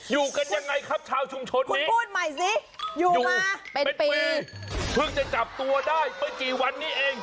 อยู่กันยังไงครับชาวชุมชนคนนี้พูดใหม่สิอยู่มาเป็นปีเพิ่งจะจับตัวได้ไม่กี่วันนี้เอง